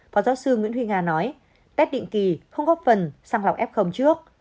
phó giáo sư nguyễn huy hà nói test định kỳ không góp phần sang lọc f trước